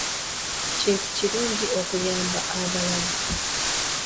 Kintu kirungi okuyamba abalala.